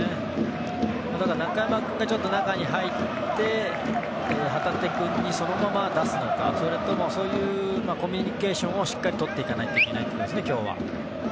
ただ、中山君がちょっと中に入って旗手君に、そのまま出すのか。それともっていうそういうコミュニケーションをしっかりとっていかないといけないと思います、今日は。